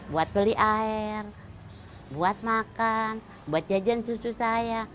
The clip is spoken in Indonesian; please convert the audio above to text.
buat beli air buat makan buat jajan susu saya